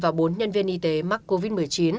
và bốn nhân viên y tế mắc covid một mươi chín